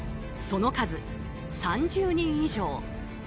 その数、３０人以上。